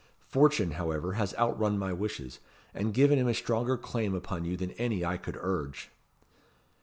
Fortune, however, has outrun my wishes, and given him a stronger claim upon you than any I could urge."